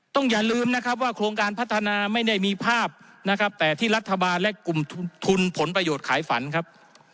อย่าลืมนะครับว่าโครงการพัฒนาไม่ได้มีภาพนะครับแต่ที่รัฐบาลและกลุ่มทุนผลประโยชน์ขายฝันครับ